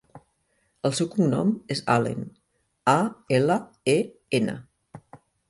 El seu cognom és Alen: a, ela, e, ena.